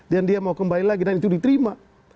dia mau kembali lagi dan itu diterima